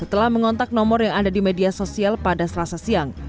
setelah mengontak nomor yang ada di media sosial pada selasa siang